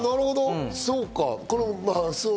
そうか。